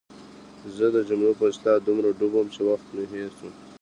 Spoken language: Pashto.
زه د جملو په اصلاح دومره ډوب وم چې وخت مې هېر شو.